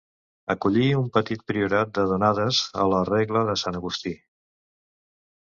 Acollí un petit priorat de donades a la regla de Sant Agustí.